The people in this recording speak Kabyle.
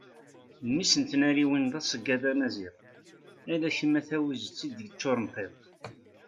mmi-s n tnariwin d aseggad amaziɣ ala kem a tawizet i d-yeččuren tiṭ